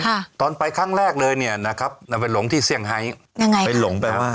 ค่ะตอนไปครั้งแรกเลยเนี้ยนะครับนำไปหลงที่เซี่ยงไฮยังไงไปหลงไปอ่า